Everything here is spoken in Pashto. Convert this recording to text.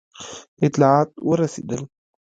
اطلاعات ورسېدل.